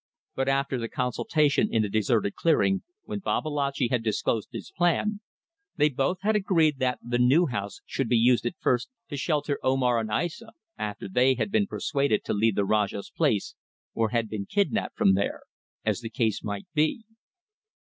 But after the consultation in the deserted clearing when Babalatchi had disclosed his plan they both had agreed that the new house should be used at first to shelter Omar and Aissa after they had been persuaded to leave the Rajah's place, or had been kidnapped from there as the case might be.